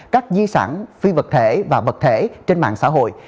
các di sản phi vật thể và vật thể trên mạng xã hội